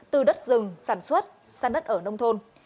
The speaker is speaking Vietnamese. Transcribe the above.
từ đất rừng sản xuất sang đất ở nông thôn